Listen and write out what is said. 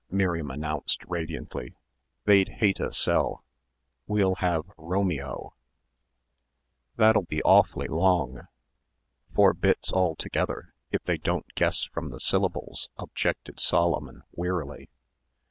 Miriam announced radiantly. "They'd hate a sell. We'll have Romeo." "That'll be awfully long. Four bits altogether, if they don't guess from the syllables," objected Solomon wearily.